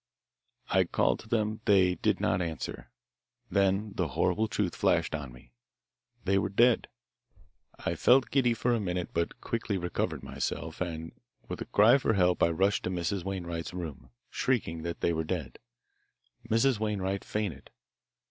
"'I called to them. They did not answer. Then the horrible truth flashed on me. They were dead. I felt giddy for a minute, but quickly recovered myself, and with a cry for help I rushed to Mrs. Wainwright's room, shrieking that they were dead. Mrs. Wainwright fainted.